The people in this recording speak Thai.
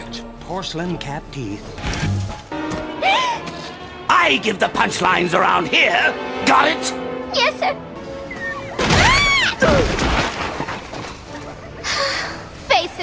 ฉันส่งพันธุ์ไว้ทางนี้รับไหม